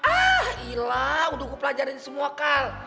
ah ilah udah ku pelajarin semua kal